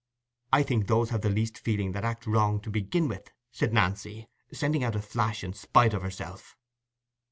"I think those have the least feeling that act wrong to begin with," said Nancy, sending out a flash in spite of herself.